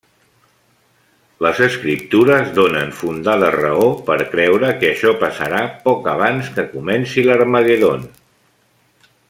Les Escriptures donen fundada raó per creure que això passarà poc abans que comenci l'Harmagedon.